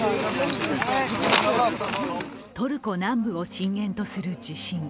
トルコ南部を震源とする地震。